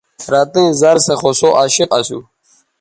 رتئیں زَر سو خو سوعشق اسُو